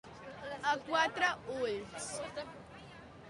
A quatre ulls.